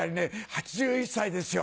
８１歳ですよ